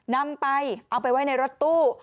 นำไปเอาไปไว้ในรถตู้